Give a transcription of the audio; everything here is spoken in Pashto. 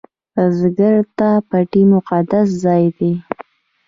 بزګر ته پټی مقدس ځای دی